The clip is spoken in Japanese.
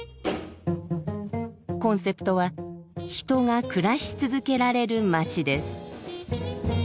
コンセプトは「人が暮らし続けられる街」です。